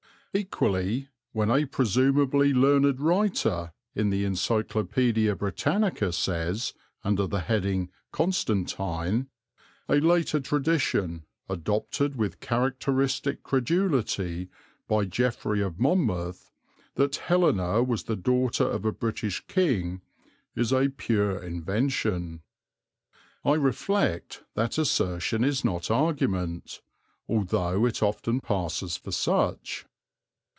Equally, when a presumably learned writer in the Encyclopædia Britannica says, under the heading "Constantine," "a later tradition, adopted with characteristic credulity by Geoffrey of Monmouth, that Helena was the daughter of a British king, is a pure invention," I reflect that assertion is not argument, although it often passes for such.